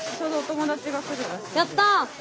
やった！